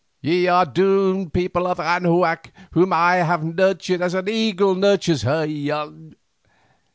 Ye are doomed, people of Anahuac, whom I would have nurtured as an eagle nurtures her young.